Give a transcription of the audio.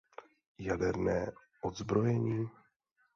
Jaderné odzbrojení?